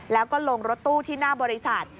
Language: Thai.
แล้วก็ลงรถตู้ที่หน้าบริษัท